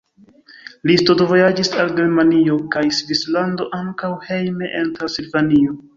Li studvojaĝis al Germanio kaj Svislando, ankaŭ hejme en Transilvanio.